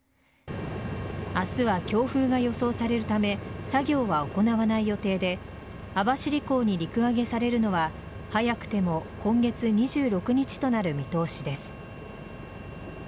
明日は強風が予想されるため作業は行わない予定で網走港に陸揚げされるのは早くても今月２６日となる見通しです。